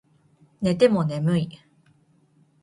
寝ても眠い